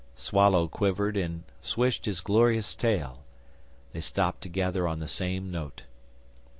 Swallow quivered and swished his glorious tail. They stopped together on the same note.